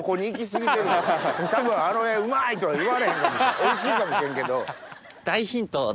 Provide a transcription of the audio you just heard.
おいしいかもしれんけど。